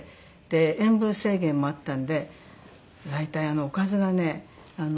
塩分制限もあったんで大体おかずがね